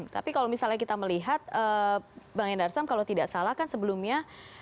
tapi kalau misalnya kita melihat bang endarsam kalau tidak salah kan sebelumnya